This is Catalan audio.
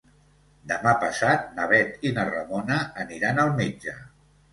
Demà passat na Bet i na Ramona aniran al metge.